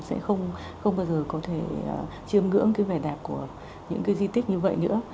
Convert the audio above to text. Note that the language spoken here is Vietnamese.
sẽ không bao giờ có thể chiêm ngưỡng cái vẻ đẹp của những cái di tích như vậy nữa